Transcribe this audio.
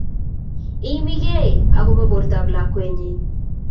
Iiimi key akopo portap lakwennyi.